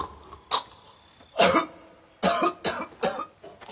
あっ。